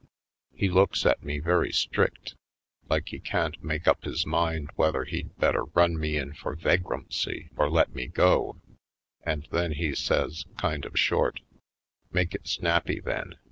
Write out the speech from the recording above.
He looks at me very strict, like he can't make up his mind whether he'd better run me in for vagromcy or let me go, and then he says, kind of short: "Make it snappy, then.